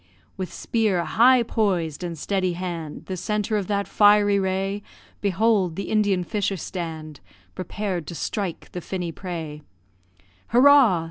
With spear high poised, and steady hand, The centre of that fiery ray, Behold the Indian fisher stand Prepared to strike the finny prey; Hurrah!